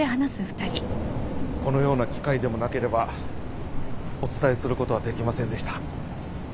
このような機会でもなければお伝えすることはできませんでした